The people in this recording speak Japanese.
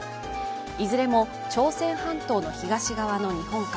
いずれも朝鮮半島の東側の日本海